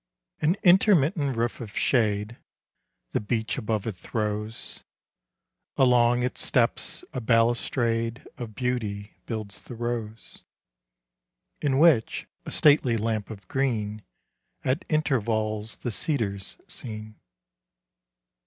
An intermittent roof of shade The beech above it throws; Along its steps a balustrade Of beauty builds the rose; In which, a stately lamp of green At intervals the cedar's seen.